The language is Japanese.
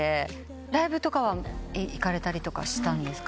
ライブとかは行かれたりしたんですか？